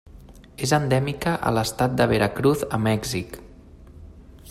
És endèmica a l'Estat de Veracruz a Mèxic.